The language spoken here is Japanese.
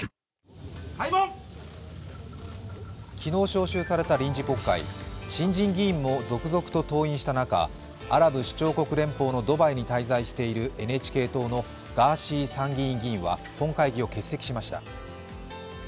昨日、召集された臨時国会、新人議員も続々と登院した中、アラブ首長国連邦のドバイに滞在しているＮＨＫ党のガーシー参議院議員は本会議を欠席しました。